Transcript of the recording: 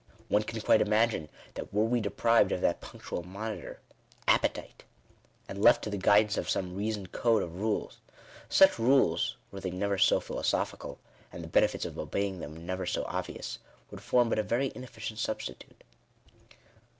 One can quite imagine, that were we deprived of that punotual monitor — appetite, and left to the guidance of some reasoned code of rules, such rules, were they never bo philosophical, and the benefits of obeying them never so ob vious, would form but a very inefficient substitute.